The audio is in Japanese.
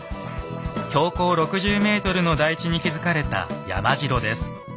標高６０ｍの台地に築かれた山城です。